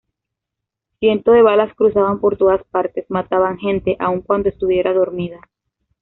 Cientos de balas cruzaban por todas partes, mataban gente, aun cuando estuviera dormida.